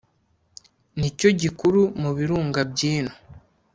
ni cyo gikuru mu birunga by’ino